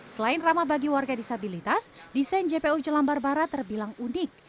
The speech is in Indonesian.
selain ramah bagi warga disabilitas desain jpo jelambar barat terbilang unik